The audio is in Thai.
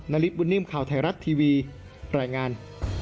นริปุ่นนิ่มข่าวไทยรัฐทีวีแรงงาน